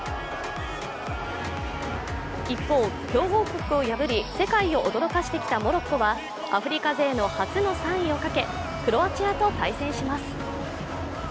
一方、強豪国を破り世界を驚かしてきたモロッコはアフリカ勢の初の３位をかけクロアチアと対戦します。